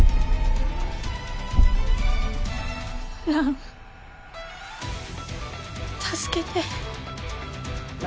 蘭助けて。